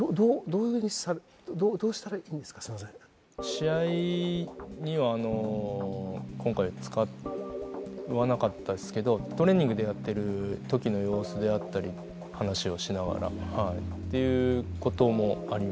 試合には今回使わなかったですけどトレーニングでやってる時の様子であったり話をしながらっていう事もあります。